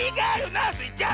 なあスイちゃん！